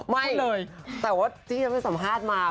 ไม่ออกไปสัมภาษณ์มา